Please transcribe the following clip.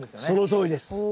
そのとおりです。